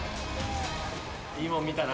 いいもん見たな。